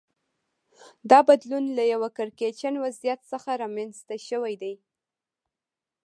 دا بدلون له یوه کړکېچن وضعیت څخه رامنځته شوی دی